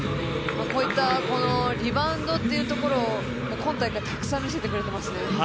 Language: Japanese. こういったリバウンドというところを今大会たくさん見せてくれていますね。